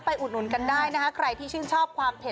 อุดหนุนกันได้นะคะใครที่ชื่นชอบความเผ็